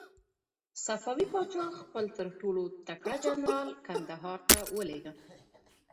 صفوي پاچا خپل تر ټولو تکړه جنرال کندهار ته ولېږه.